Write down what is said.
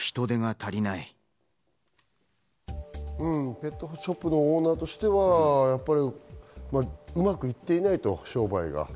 ペットショップのオーナーとしては、うまくいっていない、商売が。